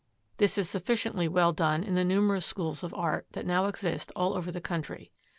This is sufficiently well done in the numerous schools of art that now exist all over the country.